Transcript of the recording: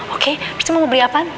oke itu mau beli apaan